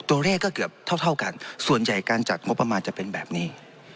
ตัวเลขก็เกือบเท่าเท่ากันส่วนใหญ่การจัดงบประมาณจะเป็นแบบนี้